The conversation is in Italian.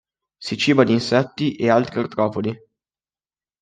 Si ciba di insetti e altri artropodi.